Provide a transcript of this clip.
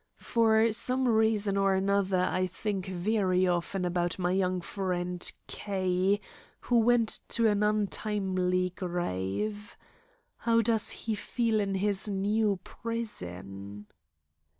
For some reason or another I think very often about my young friend K., who went to an untimely grave. How does he feel in his new prison?